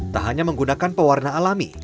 tak hanya menggunakan pewarna alami